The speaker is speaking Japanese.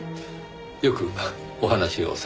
よくお話をされた？